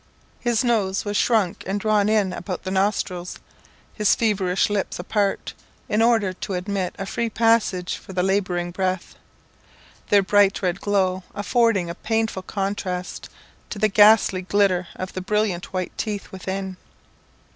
His nose was shrunk and drawn in about the nostrils, his feverish lips apart, in order to admit a free passage for the labouring breath, their bright red glow affording a painful contrast to the ghastly glitter of the brilliant white teeth within.